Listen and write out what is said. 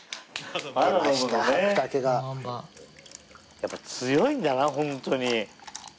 やっぱ強いんだなホントに。